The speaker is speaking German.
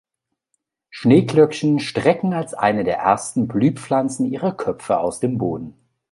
Schneeglöckchen strecken als eine der ersten Blühpflanzen ihre Köpfe aus dem Boden.